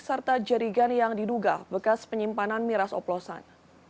serta jerigan yang diduga bekas penyimpanan miras oplosan